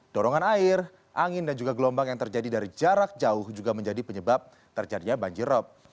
dorongan air angin dan juga gelombang yang terjadi dari jarak jauh juga menjadi penyebab terjadinya banjirop